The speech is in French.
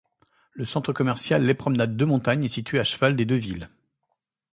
Le centre commercial Les Promenades Deux-Montagnes est situé à cheval des deux villes.